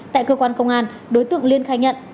tại cơ quan công an đối tượng liên khai nhận